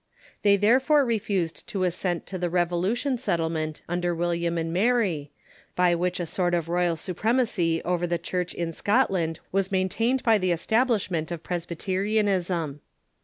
They therefore refused to assent to the Revolution Settlement under William and Mary, by which a sort of royal supremacy over the Church in Scotland was maintained by the establishment of Presbyte rianism.